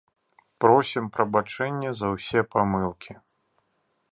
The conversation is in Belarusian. Просім прабачэння за ўсе памылкі.